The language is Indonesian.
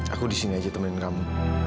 aku disini aja temenin kamu